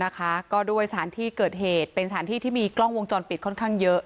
ก็ด้วยสถานที่เกิดเหตุเป็นสถานที่ที่มีกล้องวงจรปิดค่อนข้างเยอะ